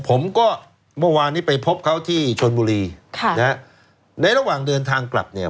ผมก็เมื่อวานนี้ไปพบเขาที่ชนบุรีค่ะนะฮะในระหว่างเดินทางกลับเนี่ย